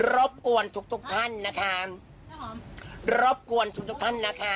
รบกวนทุกท่านนะคะ